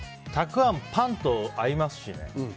たくあん、パンと合いますしね。